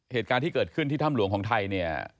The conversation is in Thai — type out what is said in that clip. เหตุการณ์ที่เกิดขึ้นที่ถ้ำหลวงของไทยเนี่ย